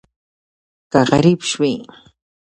که غریب شوې